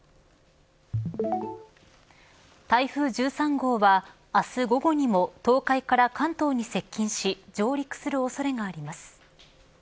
台風１３号は明日午後にも東海から関東に接近し上陸する恐れがあります。